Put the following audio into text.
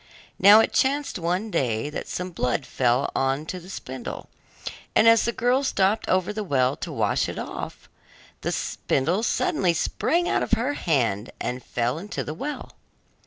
Now it chanced one day that some blood fell on to the spindle, and as the girl stopped over the well to wash it off, the spindle suddenly sprang out of her hand and fell into the well.